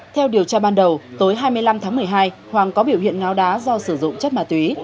theo điều tra ban đầu tối hai mươi năm tháng một mươi hai hoàng có biểu hiện ngáo đá do sử dụng chất ma túy